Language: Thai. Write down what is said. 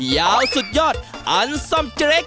ยาวสุดยอดอันซ่อมเจรค